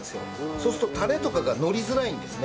そうするとタレとかがのりづらいんですね。